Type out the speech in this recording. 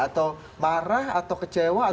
atau marah atau kecewa